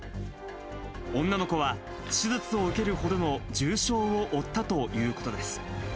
女の子は手術を受けるほどの重傷を負ったということです。